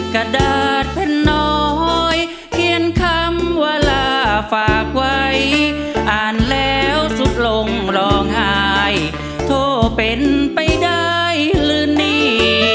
กระดาษแผ่นน้อยเขียนคำว่าลาฝากไว้อ่านแล้วสุดลงร้องไห้โทรเป็นไปได้หรือนี่